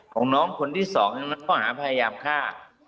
ของน้องคนที่๒ข้อหาพยายามฆ่า